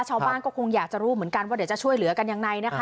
ชาวบ้านก็คงอยากจะรู้เหมือนกันว่าเดี๋ยวจะช่วยเหลือกันยังไงนะคะ